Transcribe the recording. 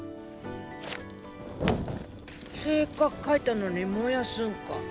せっかく書いたのに燃やすんか。